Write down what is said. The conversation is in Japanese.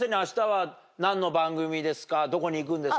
どこに行くんですか？